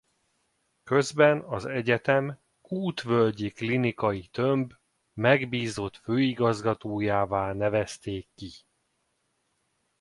Közben az egyetem Kútvölgyi Klinikai Tömb megbízott főigazgatójává nevezték ki.